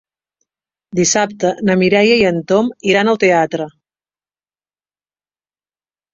Dissabte na Mireia i en Tom iran al teatre.